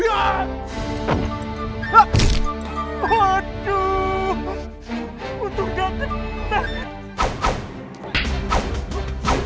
aduh untuk gak kena